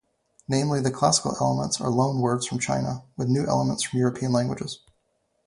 Namely, the classical elements are loanwords from China, with new elements from European languages.